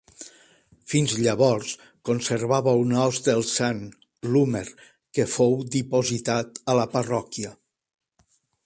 Fins llavors, conservava un os del sant, l'húmer, que fou dipositat a la parròquia.